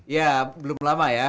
iya belum lama ya